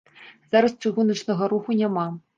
Зараз чыгуначнага руху няма.